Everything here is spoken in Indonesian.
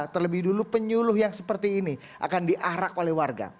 terlebih dulu penyuluh yang seperti ini akan diarak oleh warga